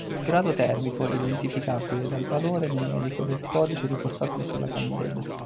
Il grado termico è identificabile dal valore numerico del codice riportato sulla candela.